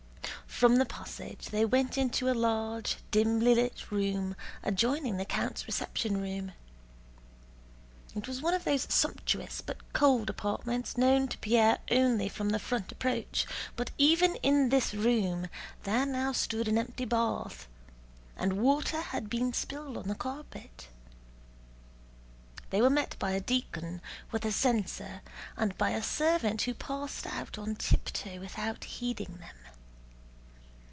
From the passage they went into a large, dimly lit room adjoining the count's reception room. It was one of those sumptuous but cold apartments known to Pierre only from the front approach, but even in this room there now stood an empty bath, and water had been spilled on the carpet. They were met by a deacon with a censer and by a servant who passed out on tiptoe without heeding them.